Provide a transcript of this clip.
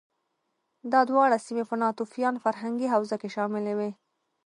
دا دواړه سیمې په ناتوفیان فرهنګي حوزه کې شاملې وې